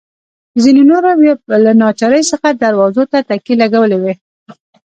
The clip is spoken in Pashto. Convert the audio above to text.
ځینو نورو بیا له ناچارۍ څخه دروازو ته تکیې لګولي وې.